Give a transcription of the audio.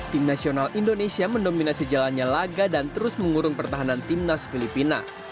tim nasional indonesia mendominasi jalannya laga dan terus mengurung pertahanan timnas filipina